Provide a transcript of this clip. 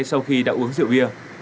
sau khi đã uống rượu bia